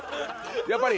やっぱり。